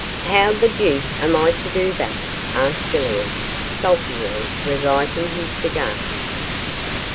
'How the deuce am I to do that?' asked Villiers, sulkily, relighting his cigar.